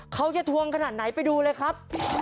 ทวงขนาดไหนไปดูเลยครับ